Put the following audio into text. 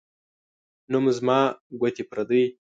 نوم زما ، گوتي پردۍ.